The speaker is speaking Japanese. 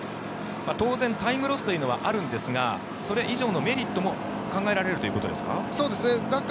当然タイムロスというのはあるんですがそれ以上のメリットも考えられるということですか？